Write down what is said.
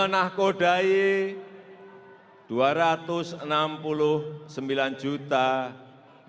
menakodai dua ratus enam puluh sembilan juta negara besar